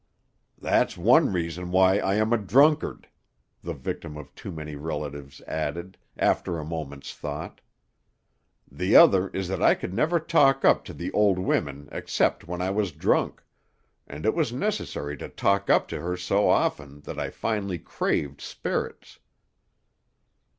"That's one reason why I am a drunkard," the victim of too many relatives added, after a moment's thought. "The other is that I could never talk up to the old women except when I was drunk, and it was necessary to talk up to her so often that I finally craved spirits."